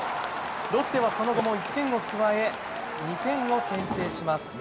ロッテは、その後も１点を加え２点を先制します。